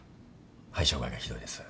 肺障害がひどいです。